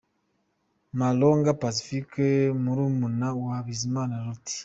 Malonga Pacifique, murumuna wa Bizimana Loti.